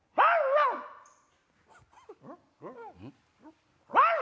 ワンワン！